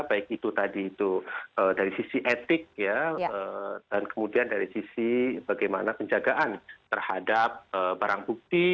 baik itu tadi itu dari sisi etik dan kemudian dari sisi bagaimana penjagaan terhadap barang bukti